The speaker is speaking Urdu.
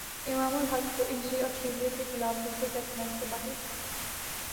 امام الحق کو انجری سٹریلیا کے خلاف دوسرے ٹیسٹ میچ سے باہر